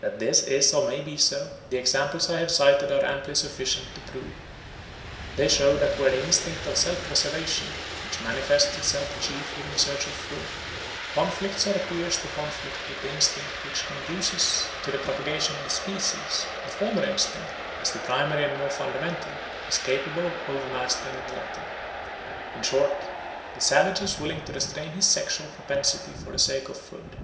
That this is or may be so, the examples I have cited are amply sufficient to prove. They show that where the instinct of self preservation, which manifests itself chiefly in the search for food, conflicts or appears to conflict with the instinct which conduces to the propagation of the species, the former instinct, as the primary and more fundamental, is capable of overmastering the latter. In short, the savage is willing to restrain his sexual propensity for the sake of food.